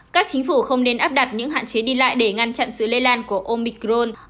các chính phủ không nên áp đặt những hạn chế đi lại để ngăn chặn sự lây lan của omicron